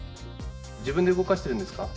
自分で動かしてるんですか？